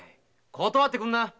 断ってくんな！